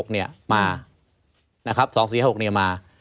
๒๔๕๖เนี่ยมานะครับ๒๔๕๖เนี่ยมา